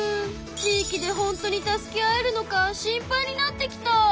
地域で本当に助け合えるのか心配になってきた。